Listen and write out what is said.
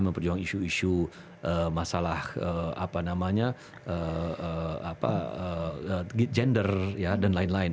memperjuangkan isu isu masalah gender dan lain lain